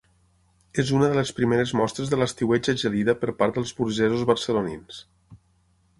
És una de les primeres mostres de l'estiueig a Gelida per part dels burgesos barcelonins.